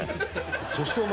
そしてお前。